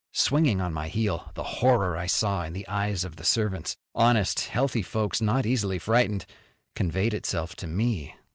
Swinging on my heel, the horror I saw in the eyes of the servants, honest, healthy folks not easily frightened, conveyed itself to me.